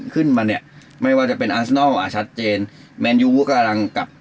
คืนมาเนี่ยไม่ว่าจะเป็นอาร์สเซนท์อะชัดเจนกาลังกลับ